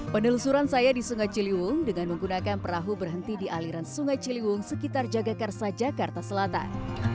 penelusuran saya di sungai ciliwung dengan menggunakan perahu berhenti di aliran sungai ciliwung sekitar jagakarsa jakarta selatan